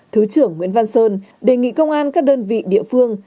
thứ trưởng nguyễn văn sơn đề nghị công an các đơn vị địa phương